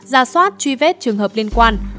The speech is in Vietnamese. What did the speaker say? ra soát truy vết trường hợp liên quan